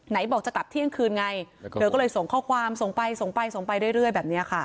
บอกจะกลับเที่ยงคืนไงเธอก็เลยส่งข้อความส่งไปส่งไปส่งไปเรื่อยแบบนี้ค่ะ